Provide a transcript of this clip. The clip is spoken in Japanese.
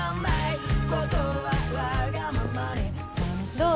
どう？